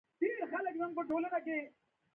د دې سترګور لیکوالانو څخه پټ نه پاتېدل.